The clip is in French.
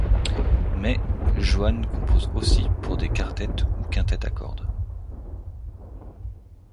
Mais, Joanne compose aussi pour des quartets ou quintets à cordes.